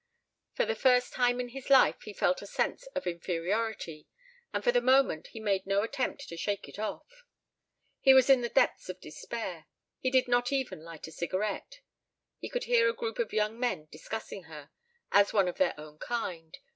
For the first time in his life he felt a sense of inferiority, and for the moment he made no attempt to shake it off. He was in the depths of despair. He did not even light a cigarette. ... He could hear a group of young men discussing her ... as one of their own kind